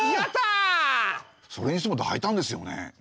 それにしてもだいたんですよね。